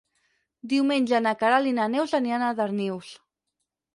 Diumenge na Queralt i na Neus aniran a Darnius.